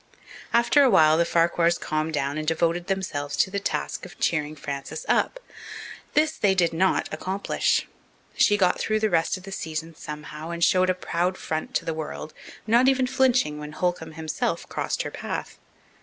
After a while the Farquhars calmed down and devoted themselves to the task of cheering Frances up. This they did not accomplish. She got through the rest of the season somehow and showed a proud front to the world, not even flinching when Holcomb himself crossed her path.